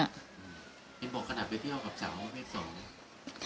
เห็นบอกขนาดไปเที่ยวกับสาวพี่สอง